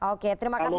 oke terima kasih